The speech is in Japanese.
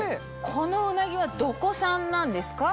このうなぎはどこ産なんですか？